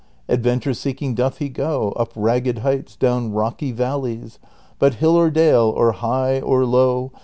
Adventure seeking doth he go Up ragged heights, down rocky valleys, But hill or dale, or high or low.